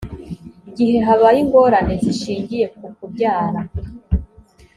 gihe habaye ingorane zishingiye ku kubyara